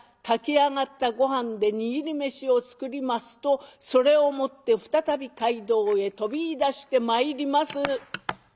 炊き上がったごはんで握り飯を作りますとそれを持って再び街道へ飛びいだしてまいります。